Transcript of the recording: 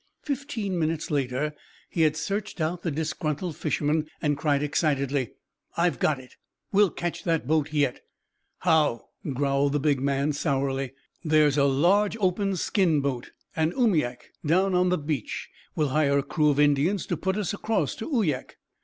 Fifteen minutes later he had searched out the disgruntled fisherman, and cried, excitedly: "I've got it! We'll catch that boat yet!" "How?" growled the big man, sourly. "There's a large open skin boat, an oomiak, down on the beach. We'll hire a crew of Indians to put us across to Uyak."